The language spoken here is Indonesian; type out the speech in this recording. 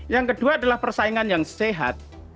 yang kedua adalah persaingan yang sehat